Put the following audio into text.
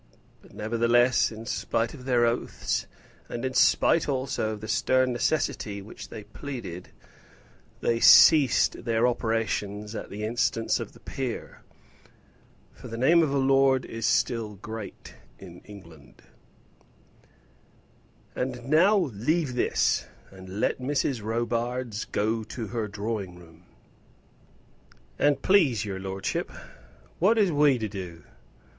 But, nevertheless, in spite of their oaths, and in spite also of the stern necessity which they pleaded, they ceased their operations at the instance of the peer. For the name of a lord is still great in England. "And now leave this, and let Mrs. Robarts go into her drawing room." "And, please your lordship, what is we to do?